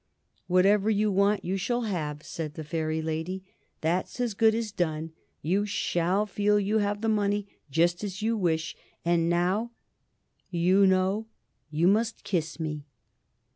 "'Whatever you want you shall have,' said the Fairy Lady. 'That's as good as done. You SHALL feel you have the money just as you wish. And now, you know YOU MUST KISS ME.'"